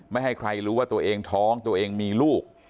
ให้ใครรู้ว่าตัวเองท้องตัวเองมีลูก